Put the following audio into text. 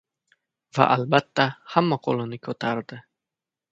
Va albatta hamma qoʻlini koʻtardi.